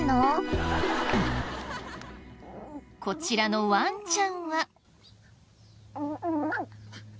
こちらのワンちゃんは。